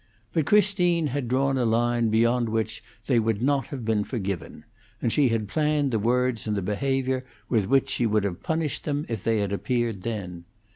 But Christine had drawn a line beyond which they would not have been forgiven; and she had planned the words and the behavior with which she would have punished them if they had appeared then.